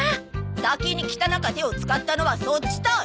先に汚か手を使ったのはそっちたい！